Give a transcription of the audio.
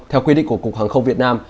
theo quy định của cục hàng không việt nam